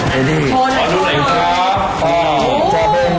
เป็นอุิจัย